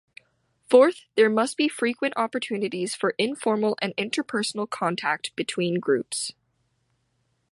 Fourth, there must be frequent opportunities for informal and interpersonal contact between groups.